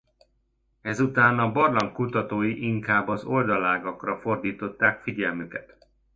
Ezután a barlang kutatói inkább az oldalágakra fordították figyelmüket.